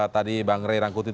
tadi bang ray rangkuti